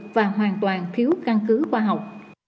và hoàn toàn thiếu căn cứ khoa học